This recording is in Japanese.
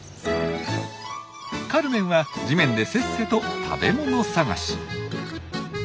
カルメンは地面でせっせと食べ物探し。